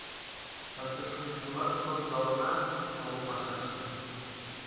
Катышуучулар сот залына чогулуп башташты.